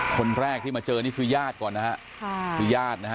คนแรกที่มาเจอนี่คือญาติก่อนนะฮะค่ะคือญาตินะฮะ